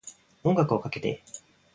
音楽をかけて